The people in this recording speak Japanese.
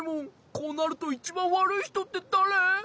こうなるといちばんわるいひとってだれ？